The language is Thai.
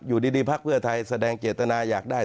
อยู่ดีพักเพื่อไทยแสดงเจตนาอยากได้